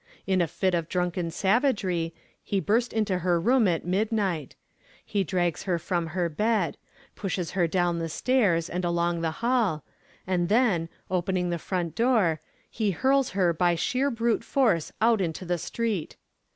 In a fit of drunken savagery he burst into her room at midnight. He drags her from her bed; pushes her down the stairs and along the hall; and then, opening the front door, he hurls her by sheer brute force out into the street.